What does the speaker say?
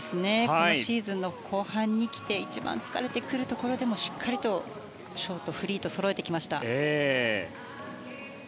今シーズンの後半に来て一番疲れているところでもしっかりショート、フリーとそろえてきました。